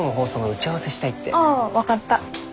ああ分かった。